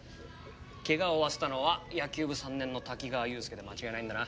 怪我を負わせたのは野球部３年の滝川雄亮で間違いないんだな？